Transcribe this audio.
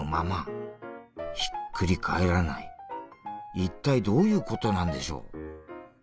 一体どういうことなんでしょう？